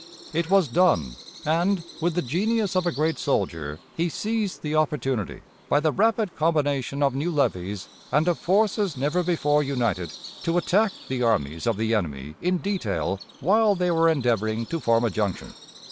It was done, and, with the genius of a great soldier, he seized the opportunity, by the rapid combination of new levies and of forces never before united, to attack the armies of the enemy in detail while they were endeavoring to form a junction.